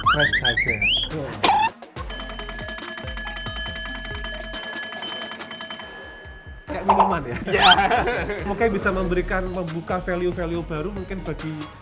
fresh saja kayak minuman ya mungkin bisa memberikan membuka value value baru mungkin bagi